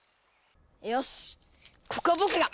よしここは僕が！